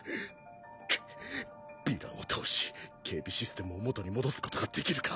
くっヴィランを倒し警備システムを元に戻すことができるか